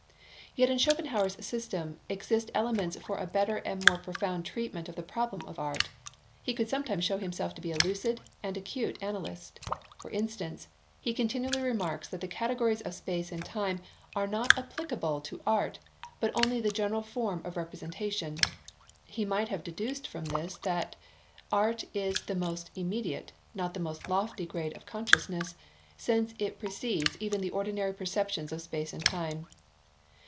Yet in Schopenhauer's system exist elements for a better and a more profound treatment of the problem of art. He could sometimes show himself to be a lucid and acute analyst. For instance, he continually remarks that the categories of space and time are not applicable to art, but only the general form of representation. He might have deduced from this that art is the most immediate, not the most lofty grade of consciousness, since it precedes even the ordinary perceptions of space and time.